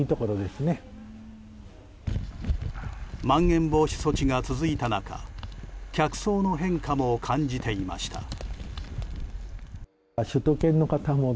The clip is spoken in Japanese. まん延防止措置が続いた中客層の変化も感じていました。